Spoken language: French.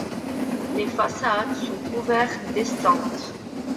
Les façades sont couvertes d'essentes.